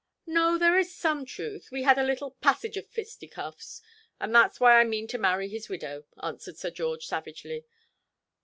"No, there is some truth we had a little passage at fisticuffs: and that's why I mean to marry his widow," answered Sir George savagely.